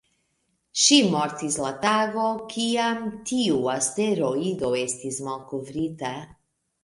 Ŝi mortis la tago, kiam tiu asteroido estis malkovrita.